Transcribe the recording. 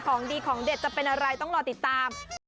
ของดีของเด็ดจะเป็นอะไรต้องรอติดตาม